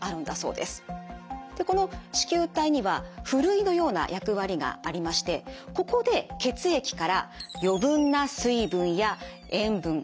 この糸球体にはふるいのような役割がありましてここで血液から余分な水分や塩分老廃物などをろ過しています。